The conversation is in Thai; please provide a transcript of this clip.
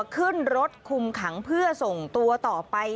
ขึ้นรถคุมขังเพื่อส่งตัวต่อไป